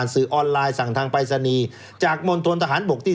สื่อออนไลน์สั่งทางไปรษณีย์จากโมนตนทหารบกที่๑๑